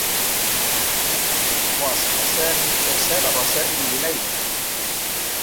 واصل سامي إرسال الرّسائل لليلى.